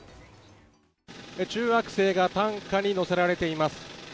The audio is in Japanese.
中学生が担架に乗せられています。